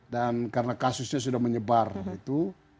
dan karena kasusnya sudah menyebar gitu